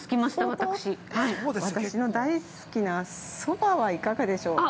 私の大好きな、そばをいかがでしょうか。